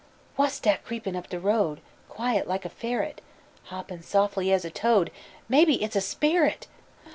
Whass dat creepin' up de road, Quiet like a ferret, Hoppin' sof'ly as a toad? Maybe hit's a sperrit!